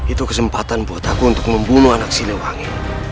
itu kesempatan buat aku untuk membunuh anak siliwangi